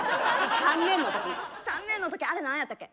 ３年の時３年の時あれ何やったっけ？